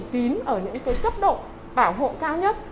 kín ở những cấp độ bảo hộ cao nhất